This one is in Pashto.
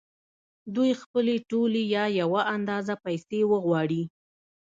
دوی خپلې ټولې یا یوه اندازه پیسې وغواړي